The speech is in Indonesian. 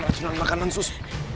racunan makanan sus